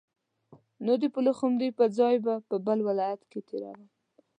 نو د پلخمري پر ځای به بل ولایت کې تیروم.